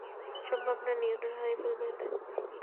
সম্ভব না, নিয়ন্ত্রণ হারিয়ে ফেলব এতে!